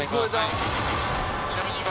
ちなみに今。